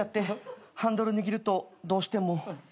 ハンドル握るとどうしても。